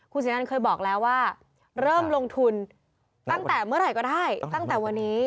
คุณศรีนันเคยบอกแล้วว่าเริ่มลงทุนตั้งแต่เมื่อไหร่ก็ได้ตั้งแต่วันนี้